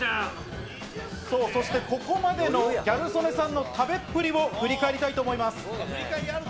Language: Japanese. そしてここまでのギャル曽根さんの食べっぷりを振り返りたいと思います。